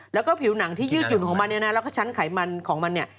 แล้วก็ผิวหนังที่ยืดหยุ่นของมันเนี่ยนะแล้วก็ชั้นไขมันของมันเนี่ย